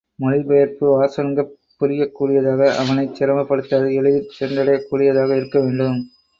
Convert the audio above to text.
மொழிபெயர்ப்பு வாசகனுக்குப் புரியக் கூடியதாக - அவனைச் சிரமப்படுத்தாது, எளிதிற் சென்றடையக் கூடியதாக இருக்க வேண்டும்.